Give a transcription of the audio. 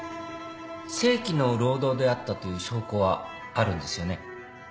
正規の労働であったという証拠はあるんですよね。